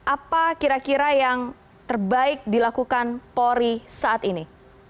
apa kira kira yang terbaik dilakukan polri saat ini